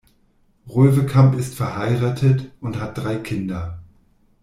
Röwekamp ist verheiratet und hat drei Kinder.